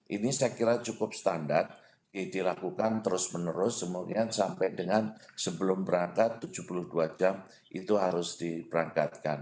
ini saya kira cukup standar dilakukan terus menerus kemudian sampai dengan sebelum berangkat tujuh puluh dua jam itu harus diberangkatkan